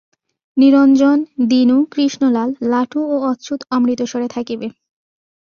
নিরঞ্জন, দীনু, কৃষ্ণলাল, লাটু ও অচ্যুত অমৃতসরে থাকিবে।